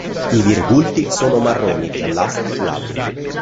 I virgulti sono marroni-giallastri, glabri.